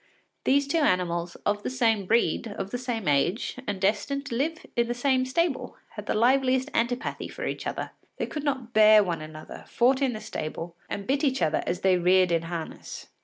These two animals, of the same breed, of the same age, and destined to live in the same stable, had the liveliest antipathy for each other. They could not bear one another, fought in the stable, and bit each other as they reared in harness.